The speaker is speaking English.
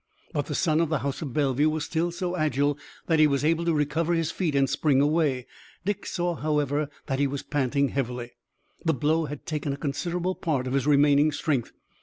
But the son of the house of Bellevue was still so agile that he was able to recover his feet and spring away. Dick saw, however, that he was panting heavily. The blow had taken a considerable part of his remaining strength.